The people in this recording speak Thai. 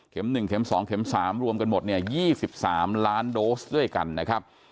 ๑เข็ม๒เข็ม๓รวมกันหมดเนี่ย๒๓ล้านโดสด้วยกันนะครับ